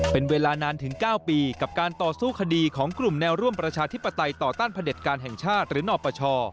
เป็นเวลานานถึง๙ปีกับการต่อสู้คดีของกลุ่มแนวร่วมประชาธิปไตยต่อต้านพระเด็จการแห่งชาติหรือนปช